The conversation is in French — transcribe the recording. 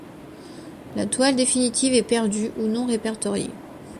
La toile définitive est perdue ou non répertoriée.